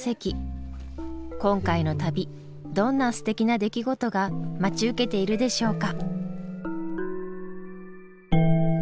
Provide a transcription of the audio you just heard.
今回の旅どんなすてきな出来事が待ち受けているでしょうか。